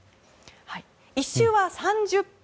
１周は３０分。